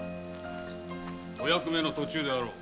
お役目の途中であろう？